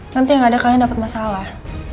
nanti yang ada kalian dapat masalah